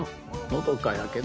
のどかやけど。